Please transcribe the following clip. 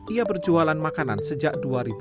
ia berjualan makanan sejak dua ribu